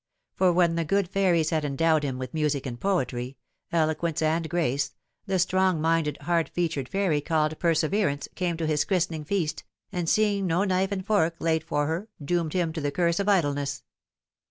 For when the good fairies had endowed him with music and poetry, eloquence and grace, the strong minded, hard featured fairy called Perseverance came to his christening feast, and seeing no knife and fork laid for her, doomed him to the curse of idleness.